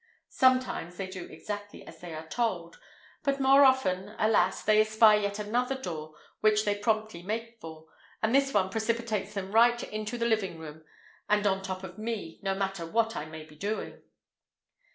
Sometimes they do exactly as they are told; but more often, alas! they espy yet another door, which they promptly make for, and this one precipitates them right into the living room and on top of me, no matter what I may be doing.